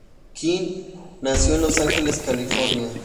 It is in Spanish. King nació en Los Ángeles, California.